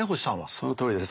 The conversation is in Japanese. そのとおりです。